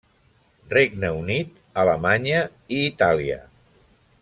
Regne Unit, Alemanya i Itàlia.